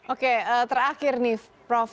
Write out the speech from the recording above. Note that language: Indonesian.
oke terakhir nih prof